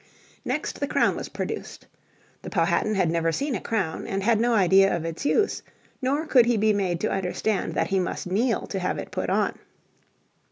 Next the crown was produced. The Powhatan had never seen a crown, and had no idea of its use, nor could he be made to understand that he must kneel to have it put on.